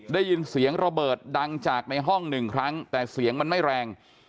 ได้ยินเสียงระเบิดดังจากในห้องหนึ่งครั้งแต่เสียงมันไม่แรง